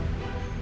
percaya sama nino